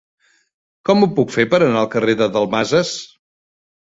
Com ho puc fer per anar al carrer de Dalmases?